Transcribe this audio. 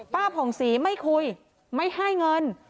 ผ่องศรีไม่คุยไม่ให้เงิน